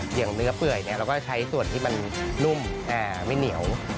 อย่างเนื้อเปื่อยเราก็ใช้ส่วนที่มันนุ่มไม่เหนียว